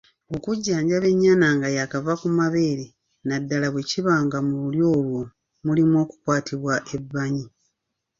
Okujjanjaba ennyana nga yaakava ku mabeere naddala bwe kiba nga mu lulyo olwo mulimu okukwatibwa ebbanyi.